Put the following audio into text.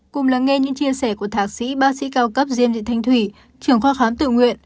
cùng lắng nghe những chia sẻ của thạc sĩ ba sĩ cao cấp diêm dị thanh thủy trưởng khoa khám tự nguyện